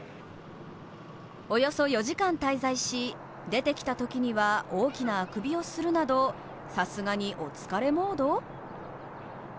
およそ４時間滞在し、出てきたときには大きなあくびをするなど、さすがにお疲れモード。